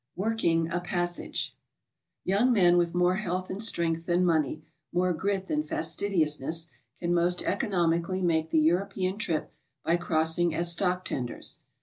WORKING A PASSAGE. Young men with more h'ealth and strength than money, more grit than fastidiousness, can most economically make the European trip by crossing as stock tenders.